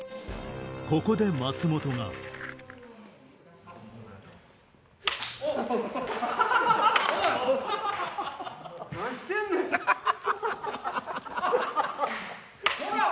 ここで松本がおい！